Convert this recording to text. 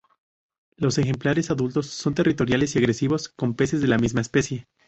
Los ejemplares adultos son territoriales y agresivos con peces de la misma especie.